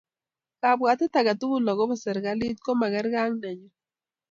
kabwatet agetugul akobo serikalit ko makargei ak nenyu